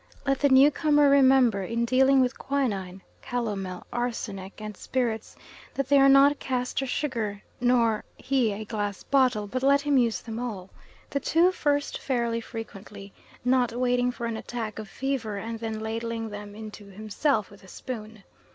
Let the new comer remember, in dealing with quinine, calomel, arsenic, and spirits, that they are not castor sugar nor he a glass bottle, but let him use them all the two first fairly frequently not waiting for an attack of fever and then ladling them into himself with a spoon.